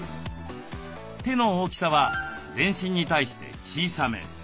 手の大きさは全身に対して小さめ。